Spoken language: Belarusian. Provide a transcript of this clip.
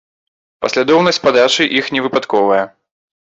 Паслядоўнасць падачы іх не выпадковая.